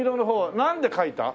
なんで描いた？